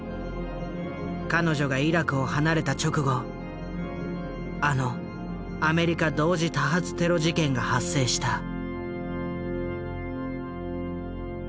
彼女がイラクを離れた直後あのアメリカ同時多発テロ事件が発生した。